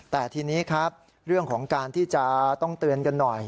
แต่ทีนี้ครับเรื่องของการที่จะต้องเตือนกันหน่อย